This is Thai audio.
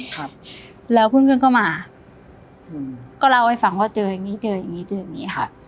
ครับแล้วเพื่อนเพื่อนก็มาก็เราไปฝังว่าเจออย่างงี้เจออย่างงี้